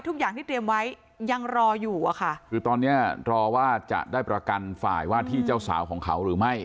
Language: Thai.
ทุกอย่างที่เตรียมไว้ยังรออยู่อะค่ะคือตอนเนี้ยรอว่าจะได้ประกันฝ่ายว่าที่เจ้าสาวของเขาหรือไม่